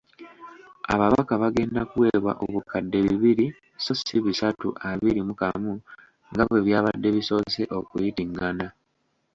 Ababaka bagenda kuweebwa obukadde bibiri so ssi bisatu abiri mu kamu nga bwe byabadde bisoose okuyitingana.